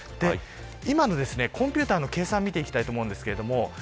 今のコンピューターの計算を見ていきたいと思います。